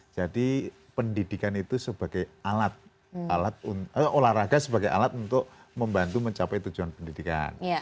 jadi pendidikan itu sebagai alat olahraga sebagai alat untuk membantu mencapai tujuan pendidikan